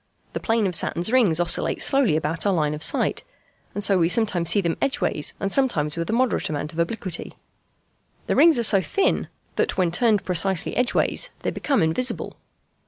The plane of Saturn's rings oscillates slowly about our line of sight, and so we sometimes see them edgeways and sometimes with a moderate amount of obliquity. The rings are so thin that, when turned precisely edgeways, they become invisible.